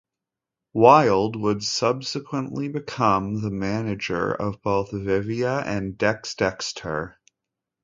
Wilde would subsequently become the manager of both Viva and DexDexTer.